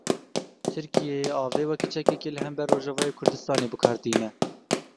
Tirkiye avê wekî çekekê li hember Rojavayê Kurdistanê bi kar tîne.